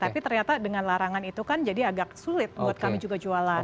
tapi ternyata dengan larangan itu kan jadi agak sulit buat kami juga jualan